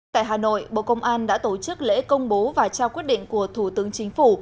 tại hà nội bộ công an đã tổ chức lễ công bố và trao quyết định của thủ tướng chính phủ